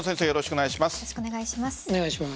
よろしくお願いします。